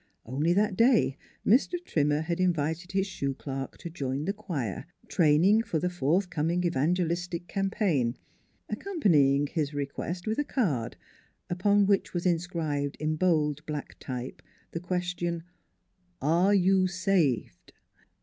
Only that day Mr. Trimmer had invited his shoe clerk to join the choir, training for the forthcoming evangelistic campaign, accompanying his request with a card, upon which was inscribed in bold black type the question :" Are you saved